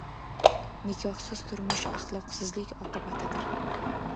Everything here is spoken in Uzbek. Nikohsiz turmush axloqsizlik oqibatidir.